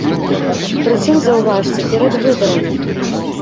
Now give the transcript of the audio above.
Прычым, заўважце, перад выбарамі.